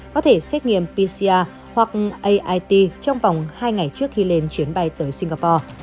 có thể xét nghiệm pcr hoặc ait trong vòng hai ngày trước khi lên chuyến bay tới singapore